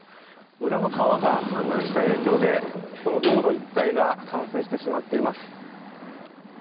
裏の川が氾濫した影響でこの道路一帯が冠水してしまっています。